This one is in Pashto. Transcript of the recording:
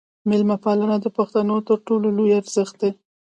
میلمه پالنه د پښتنو تر ټولو لوی ارزښت دی.